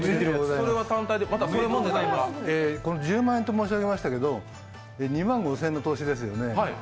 １０万円と申しましたけど、２万５０００円の投資ですよね。